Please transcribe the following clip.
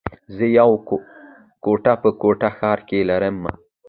زه يوه کوټه په کوټه ښار کي لره مه